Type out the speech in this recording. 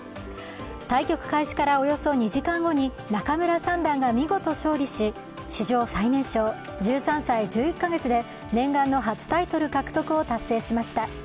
対局開始からおよそ２時間後に仲邑三段が見事勝利し史上最年少１３歳１１か月で念願の初タイトル獲得を達成しました。